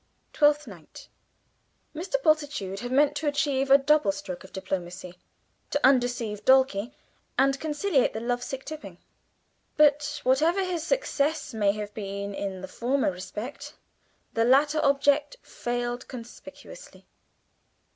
Twelfth Night. Mr. Bultitude had meant to achieve a double stroke of diplomacy to undeceive Dulcie and conciliate the lovesick Tipping. But whatever his success may have been in the former respect, the latter object failed conspicuously.